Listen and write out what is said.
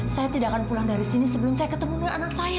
saya tidak akan pulang dari sini sebelum saya ketemu dengan anak saya